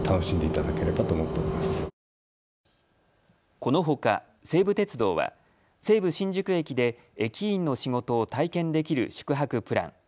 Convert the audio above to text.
このほか、西武鉄道は西武新宿駅で駅員の仕事を体験できる宿泊プラン。